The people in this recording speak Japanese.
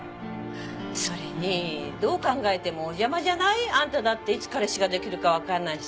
それにどう考えてもお邪魔じゃない？あんただっていつ彼氏が出来るかわかんないしさ。